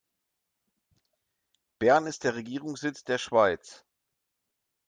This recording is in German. Bern ist der Regierungssitz der Schweiz.